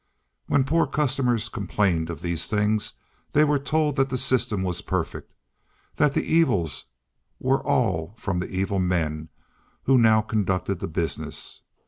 When poor customers complained of these things, they were told that the system was perfect, that the evils were all from the evil men who conducted the business!